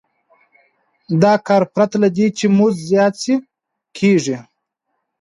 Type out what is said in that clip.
دا کار پرته له دې چې مزد زیات شي کېږي